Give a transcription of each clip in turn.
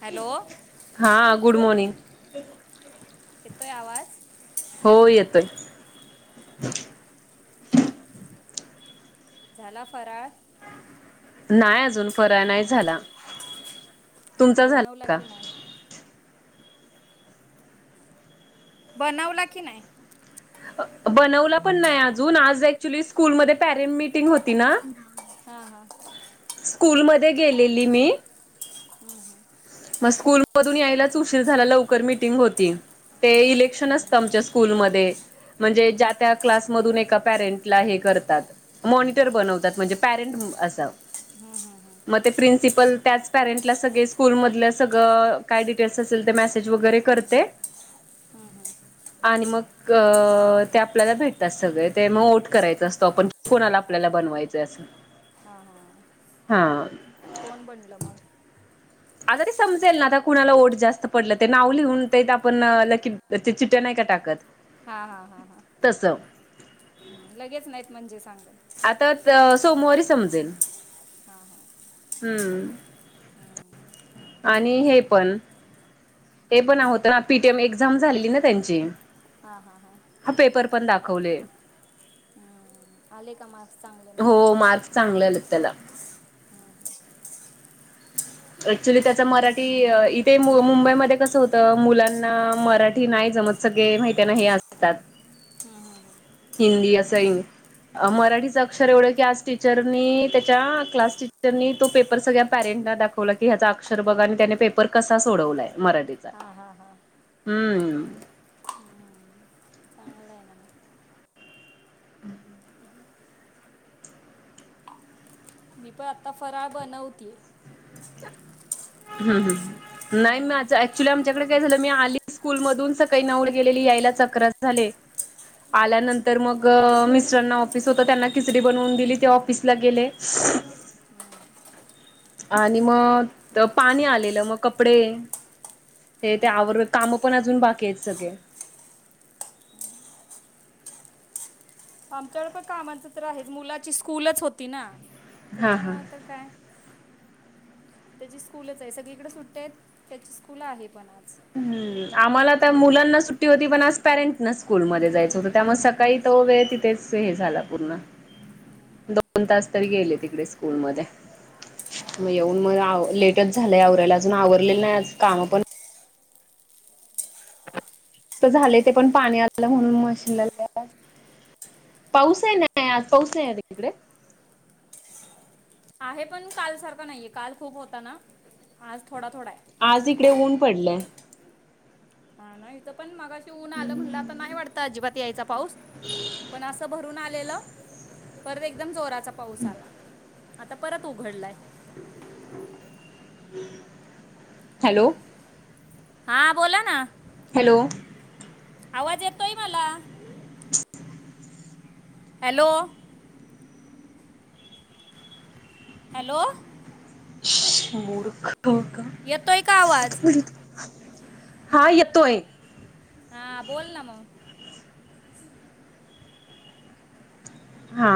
Hello हा good morning. येतोय आवाज? हो येतोय. झाला फराळ? नाही अजून फरा नाही झाला तुमचा झाला बनवला का की नाही? बनवला की नाही? बनवला पण नाही अजून आज ॲक्चुली स्कूलमध्ये पॅरेंट मिीटिंग होती ना हा हा. स्कूलमध्ये गेलेली मी. [inaudible] मग स्कूलमधून यायलाच उशीर झाला, लवकर मिीटिंग होती. ते इलेक्शन असतं हम्म आमच्या स्कूलमध्ये. म्हणजे ज्या त्या क्लासमधून एका पॅरेंटला हे करतात मॉनिटर बनवतात म्हणजे पेरंट असं. हा हा हा. म ते प्रिन्सिपल त्याच पॅरेंटला सगळे स्कूलम पल्या सगळं काय डिटेल्स असेल ते मेसेज वगैरे करते हम्म हम्म. आणि मग क ते आपल्याला भेटतात सगळे ते म ओट करायचं असतो आपण कोणाला आपल्याला बनवायचं असं. हा. हां. कोण बनलं मग? आता ते समजेल ना आता कुणाला ओट जास्त पडलं ते नाव लिहून ते आपण लकी तर ते चिट्टया नाही का टाकत हा हा हा हा. तसं हम्म लगेच नाहीत म्हणजे सांगत. आता त सोमवारी समजेल. हा हा. हम्म. आणि हे पण ते पण होतं ना पी टी एम एक्झाम झालेली ना त्यांची. हा हा हा हा. हा पेपर पण दाखवले हम्म आले का मार्क्स चांगले हो मार्क चांगले आले त्याला. हा. [inaudible] ॲक्च्युली त्याचा मराठी इथे मुंबईमध्ये कसं होतं मुलांना मराठी नाही जमत. सगळे माहितीये ना हे असतात. हम्म. हम्म हिंदी असइन अ मराठीचं अक्षर एवढं की आज त्याच्या टीचर नी क्लास टीचरनी तो पेपर सगळ्या पॅरेंटला दाख वला की ह्याचा अक्षर बघा आणि त्याने पेपर कसा सोडवलाय मराठीचा. हा हा हा. हम्म. हम्म. चांगलं आहे ना मग. [inaudible] मी पण आता फराळ बनवतेय. हम्म हम्म नाही मी आज ऍक्च्युली हम्म आता आमच्याकडे ब काय झालं मी आली स्कूलमधून सकाळी नऊला गेली होती यायलाच अकरा झाले. आल्यानंतर मग मिस्टरना ऑफिस होतं त्यांना खिचडी बनवून दिली ते ऑफिसला गेले. हां. आणि म त पाणी आलेलं मग कपडे ते ते आवरं कामं पण अजून बाकी आहेत सगळे. आमच्याकडे पण कामाचं तर आहे मुलाची स्कूलच होती ना हा हा त्याच्यामुळं तर काय त्याची स्कूलच आहे सगळीकडे सुट्टया आहेत त्याची स्कूल आहे पण आज. हम्म आम्हाला त्या मुलांना सुट्टी होती पण आज पॅरेंटना स्कूलमध्ये जायचं होतं हम्म त्यामुळे सकाळी तो वेळ तिथेच हे झाला पूर्ण. [inaudible] दोन तास तरी गेले तिकडे स्कूल मध्ये. म येऊन मग आव लेटच झालंय आवरायला अजून आवरलेलं आज नाही कामं पण तर झाले ते पण पाणी आलं म्हणून मशीनला [unintelligible] पाऊस आहे नाही आज पाऊस आहे आज तिकडे? आहे पण कालसारखं नाहीये काल खूप होता ना आज थोडा थोडा आहे. आज इकडे ऊन पडलंय. हा नाही इथं पण मागाशी ऊन आलं म्हणलं आता नाही वाटतं अजिबात यायच पाऊस पण असं भरून आलेलं परत एकदम जोरा च्या पाऊस आला आता परत उघडलाय. हॅलो. हा बोला ना. हॅलो. आवाज येतोय मला. [inaudible] हॅलो. हॅलो. येतोय का आवाज [unintelligible] हा येतोय. हा बोल ना म. हा.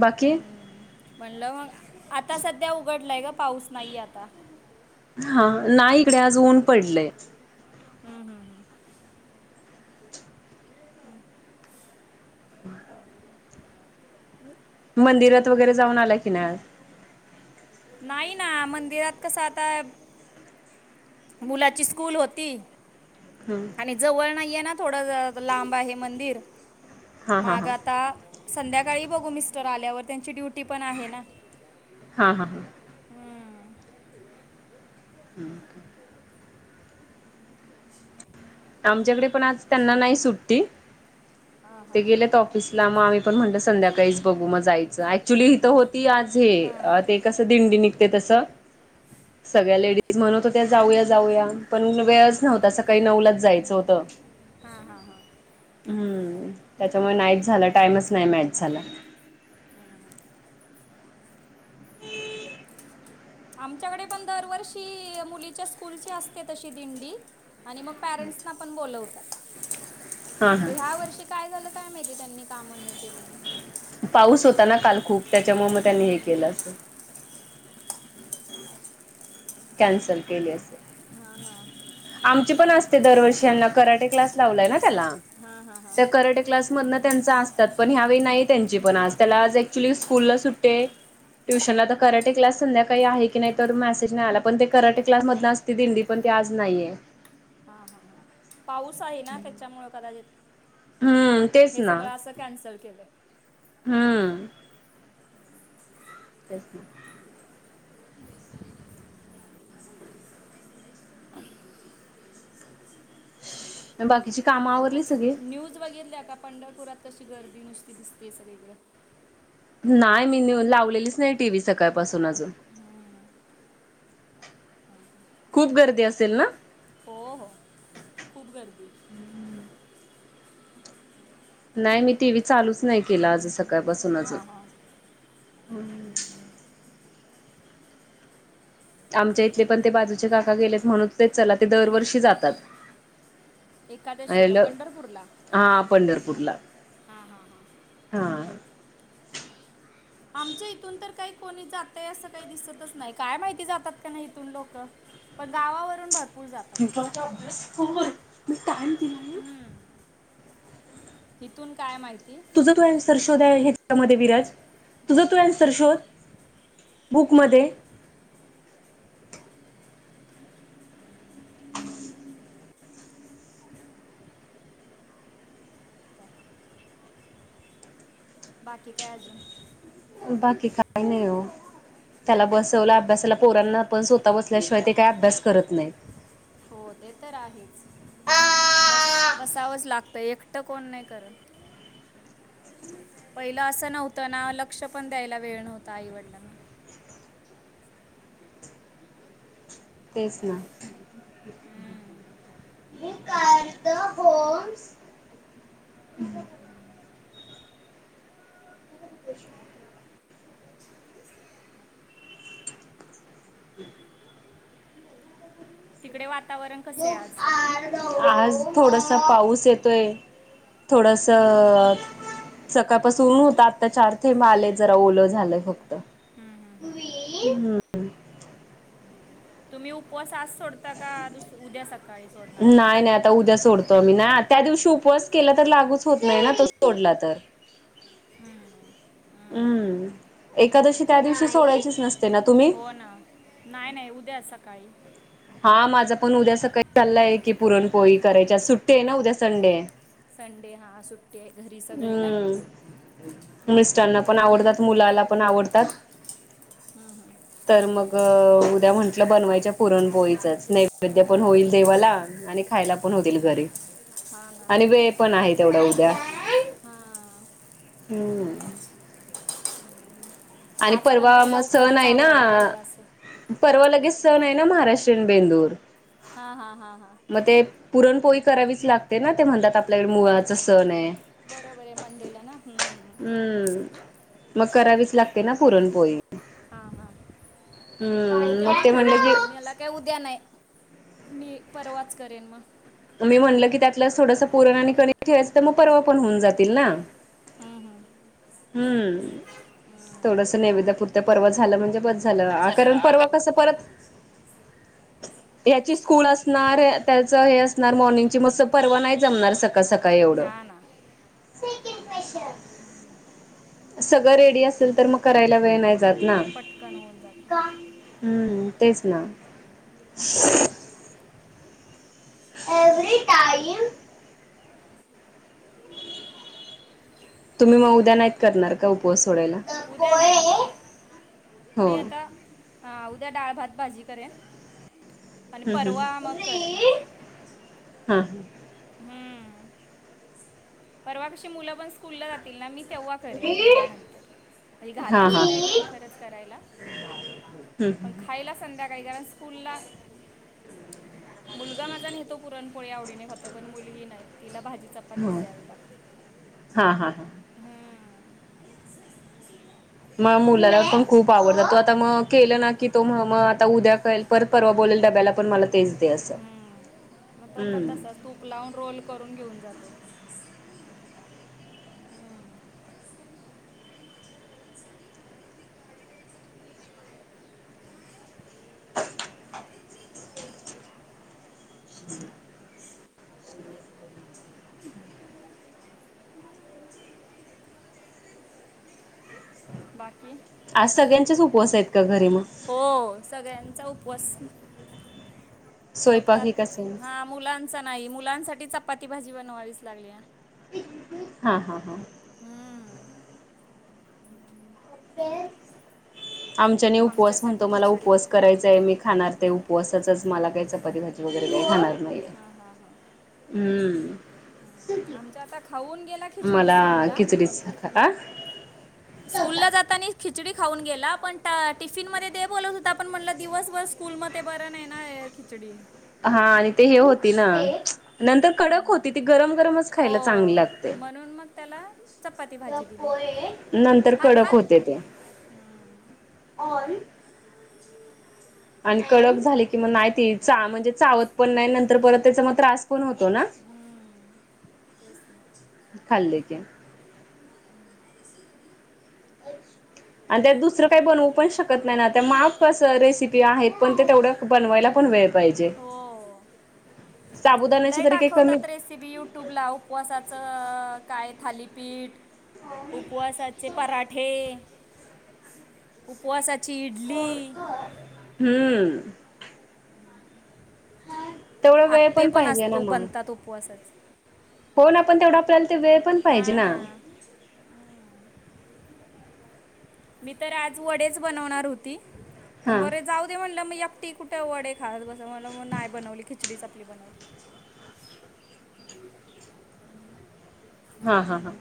बाकी हम्म म्हणलं मग आता सध्या उघडलाय का पाऊस नाहीये आता. हा नाही इकडे आज ऊन पडलय. हम्म हम्म हम्म. मंदिरात वगैरे जाऊन आला की नाय आज? नाही ना मंदिरात कसं आता मुलाची स्कूल होती हम्म. आणि जवळ नाहीये ना थोडा लांब आहे मंदिर हा हा माग हा आता संध्याकाळी बघू मिस्टर आल्यावर त्यांची ड्युटी पण आहे ना. हा हा. हम्म. हम्म. आमच्याकडे पण आज त्यांना नाही सुट्टी. आं ते गेलेत ऑफिसला मग आम्ही पण म्हणलं संध्याकाळीच बघू मग जायचं ऍक्च्युली हिथं होती आज हे हां, अ ते कसं दिंडी निघते तसं सगळ्या लेडीज म्हणत हो त्या जाऊया जाऊया पण वेळच नव्हता सकाळी नऊलाच जायचं होतं. हां, हां, हां. हम्म नाहीच झालं टाइमच नाही मॅच झाला. हम्म हां. आमच्याकडे पण दरवर्षी मुलीच्या स्कूलची असते तशी दिंडी आणि मग पॅरेंट्सना पण बोलवतात. हा हा ह्या वर्षी काय झालं काय माहिती त्यांनी कामं नाय केले. पाऊस होता ना काल खूप तेच्यामुळ मग त्यांनी हे केलं असलं. कॅन्सल केले असेल. हा हा. आमची पण असते. दरवर्षी यांना कराटे क्लास लावलय त्याला हा हा हा तर हा कराटे क्लास. मधन त्याचं असतात. पण ह्यावेळी नाही त्यांची पण आज त्याला येक्च्युली स्कूल ला सुट्टी हाय. ट्युशनला तर कराटे क्लास संध्याकाळी आहे की नाही तर मेसेज नाही आला. पण ते कराटे क्लासमधन असते. दिंडी पण ते आज नाहीये. हा हा हा पाऊस आहे ना, त्याच्यामुळे कदाचित हम्म तेच हे ना सगळं असं. कॅन्सल केलंय. हम्म. तेच ना. बाकीची काम. आज न्यूज बघितल्या का पंढरपुरात कशी गर्दी नुसती दिसते सगळीकड. नाय मी न्यू लावलेलीच नाही. टीव्ही सकाळपासून अजून. खूप गर्दी असेल ना. हो हो खूप गर्दी. नाही मी टी व्ही चालूच नाही केला. आज सकाळपासून अजून. हां हां हम्म. आमच्या इथले पण ते बाजूचे काका गेलेत. म्हणतं होते चला ते दरवर्षी जातात. एकादशीला आयल पंढरपूर ला. हा पंढरपूरला. हा हा हा. हा. आमच्या इथून तर काही कोणी जातय असं काही दिसतच नाही. काय माहिती जातात का नाही इथून लोक. पण गावावरून भरपूर जात [unintelligible] हम्म. इथून काय माहिती. तुझ तु ॲनसर शोध हेच्या मध्ये विराज मुझ तु अॅनसर शोध. बुकमध्ये. बाकी काय अजून. बाकी काय नाही ओ. त्याला बसवलं अभ्यासाला पोरांना आपण स्वतः बसल्याशिवाय ते काही अभ्यास करत नाही. हो ते तर आहेच. बस बसावंच लागतंय एकटं कोण नाही करत. पहिलं असं नव्हतं ना लक्ष पण द्यायला वेळ नव्हता आईवडिलांना. तेच ना. हम्म. [unintelligible] [inaudible] [inaudible] तिकडे वातावरण कसे आहे आज. आज थोडंसं पाऊस येतोय अं. थोडंसं. सकाळपासून ऊन होत. आत्ता चार थेंब आले जरा ओल झालंय फक्त. हम्म, हम्म, हम्म. हम्. तुम्ही उपवास आज सोडता का दुस उद्या सका नाय नाय आत आता उद्या सोडतो आम्ही ना त्या दिवशी उपवास केला तर लागूच होत नाही तो सोडला तर. हम्म एकादशी त्या दिवशी सोडायचीच नस हो ना नाही नाही उद्या सकाळी. हा माझं पण उद्या सकाळी चाललंय की पुरणपोळी करायच्या सुट्टी आहे ना उद्या संडे आहे. संडे हा सुट्टी आहे घरी सगळे ना हम्म हम्म. मिस्टरांना पण आवडतात मुलाला पण आवडतात. हम्म हम्म. तर उद्या म्हंटलं बनवायच्या पुरणपोळीचाच नेव वैद्य पण होईल हम्म. देवाला आणि खायला पण होतील घरी हा ना आणि वे पण आहेत तेवढ्या उद्या. हां. हम्म. आणि आज पण परवा काही म सण लवकरच आहे ना. आवरावं लागलं असं परवा लगेच सण आहे ना महाराष्ट्रीयन बेंदूर. हा हा हा हा. म ते पुरणपोळी करावीच लागते ना ते म्हणतात आपल्याकडे मुआचा सण आहे. बरोबर आहे मंडेला ना हम्म. हम्म मग करावीच लागते ना पुरणपोळी. हा हा हम्म मग तेव्हा मी ते म्हणलं करेन मेला की काय उद्या नाही मी परवाच करेन म. मी म्हणलं की त्यातलं थोडंसं पुरण आणि कणी ठेवायचं तर मग पण होऊन जातील ना. हम्म हम्म. हम्म थोडसा नैवेदपुरतं पर्वा झालं म्हणजे बस झालं कारण परवा कसं परत याची स्कूल असणार त्याच हे असणार मॉर्निंग ची मस परवा नाही जमणार सकाळ सका ह्या ना. [unintelligible] सगळं रेडी असेल तर मग करायला वेळ नाही जात ना. पटकन होऊन जात हम्म तेच ना. [inaudible] [unintelligible] तुम्ही म उद्या नाहीत करणार का उपवास सोडायला उद्या नाही आता मी हो. आता हा उद्या डाळ, भात, भाजी करेन आणि परवा मग करेन. हां हां. हम्म. परवा कशी मुलं पण स्कूलला जातील ना मी तेव्हा करेन गेल्यानंतर [unintelligible] हा घालेन सकाळी लवकरच करायला. हम्म पण हम्म. खायला संध्याकाळी कारण स्कूलला मुलगा माझा नेहतो पुरणपोळी आवडीने खातं पण मुलगी नाही तिला भाजी च पातीच हो. द्यावे लागते हा हा हा हम्म. म मुलाला पण खूप आवडता तो आता मग केलं ना की तो म्ह म आता उद्या कळेल परत परवा बोलेल डब्याला पण मला तेच दे असं हम्म म तो पण तसाच हम्म तूप लावून रोल करून घेऊन जातो. हम्म. बाकी आज सगळ्यांच्याच उपवास आहेत का घरी मग. हो सगळ्यांचा उपवास फक्त स्वयंपाक हे कसे आ मुलांच नाही मुलांसाठी चपाती भाजी बनवावीच लागल्या. हा हा हा. हम्म. आमच्याने उपवास म्हणतो. आमच्यासाठी मला खिचडी उपवास करायचाय मी कर खाणार ते उपवासाच मला काही चपाती भाजी वगैरे काही खाणार. नाहीये हा हा हा. हम्म आमच्या आता खाऊन गेला. मला खिचडीच आ. [inaudible] स्कूल ला जाताना खिचडी खाऊन गेला. पण टिफिन मध्ये ते बोलत होता पण म्हणलं दिवसभर. स्कूल मध्ये बरं नाही ना खिचडी. हा आणि ते हे होती ना नंतर कडक होती. ती गरम गरमच खायला चांगली हो लागते. म्हणून मग त्याला. चपाती भाजी दिली नंतर हात कडक हात होते ते. [inaudible] आणि कडक झाली कि मग नाही ती म्हणजे चावत पण नाही नंतर परत त्याचा मग त्रास. पण होतो ना खालं की. [inaudible] आणि त्यात दुसरं काही बनवू पण शकत नाही ना त्या माप रेसिपी आहेत. पण तेवढ बनवायला पण वेळ. पाहिजे. हो साबुदाण्याचे तरी काही कमी. ते बी युट्यूबला उपवासाचं काय थालीपीठ उपवासा चे पराठे उपवासाची इडली. हम. तेवढा वेळ आप्पे पण असतो बनतात उपवासाचे. होणं पण तेवढा आपल्याला तर वेळ पण पाहिजे ना. मी तर आज वडेच बनवणार होती. पण हा बरे जाऊ दे म्हटलं मग एकटी कुठं वडे खात बसू म्हणलं मग नाही बनवली खिचडीच आपली बनवली. हा हा हा.